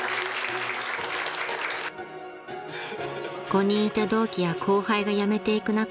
［５人いた同期や後輩が辞めていく中